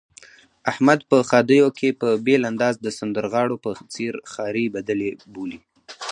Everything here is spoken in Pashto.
احمد په ښادیو کې په بېل انداز د سندرغاړو په څېر ښاري بدلې بولي.